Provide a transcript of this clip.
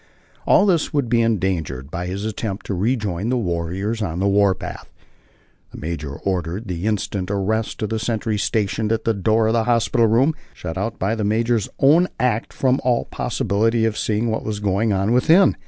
"All this would be endangered by his attempt to rejoin the warriors on the warpath." The major ordered the instant arrest of the sentry stationed at the door of the hospital room shut out by the major's own act from all possibility of seeing what was going on within.